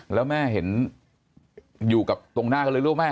แล้วแม่เห็นอยู่กับตรงหน้าก็เลยรู้ไหม